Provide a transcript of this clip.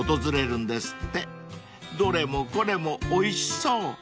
［どれもこれもおいしそう］